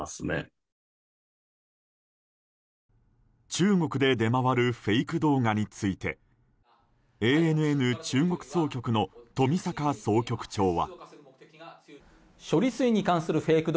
中国で出回るフェイク動画についてＡＮＮ中国総局の冨坂総局長は。